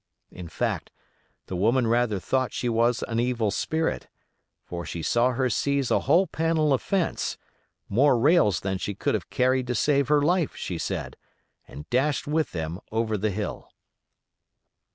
In fact, the woman rather thought she was an evil spirit; for she saw her seize a whole panel of fence—more rails than she could have carried to save her life, she said, and dashed with them over the hill.